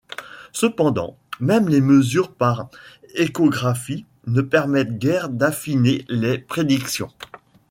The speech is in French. Cependant, même les mesures par échographie ne permettent guère d'affiner les prédictions.